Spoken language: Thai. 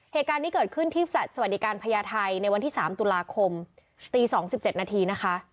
เหตุการณ์นี้เกิดขึ้นที่แลตสวัสดิการพญาไทยในวันที่๓ตุลาคมตี๒๗นาทีนะคะ